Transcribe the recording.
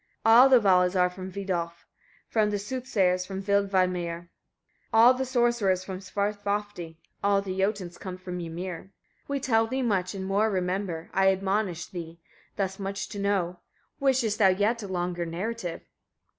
33. All the Valas are from Vidolf; all the soothsayers from Vilmeidr, all the sorcerers from Svarthofdi; all the Jotuns come from Ymir. 34. We tell thee much, and more remember, I admonish thee thus much to know. Wishest thou yet a longer narrative?